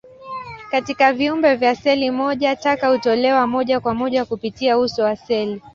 Katika viumbe vya seli moja, taka hutolewa moja kwa moja kupitia uso wa seli.